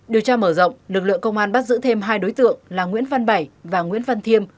điều tra mở rộng lực lượng công an bắt giữ thêm hai đối tượng là nguyễn văn bảy và nguyễn văn thiêm